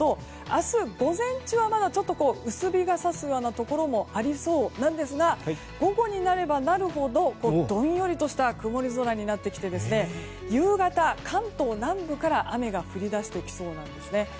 明日午前中はまだちょっと薄日が差すようなところもありそうなんですが午後になればなるほどどんよりとした曇り空になってきて夕方、関東南部から雨が降りだしてきそうです。